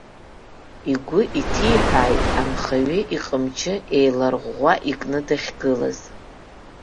Игәы инҭиҳәааит анхаҩы иҟамчы еиларӷәӷәа икны дахьгылаз.